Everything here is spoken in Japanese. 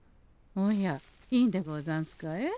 おやいいんでござんすかえ？